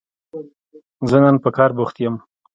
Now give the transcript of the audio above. زه نن په کار بوخت يم